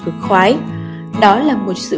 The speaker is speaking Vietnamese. cực khoái đó là một sự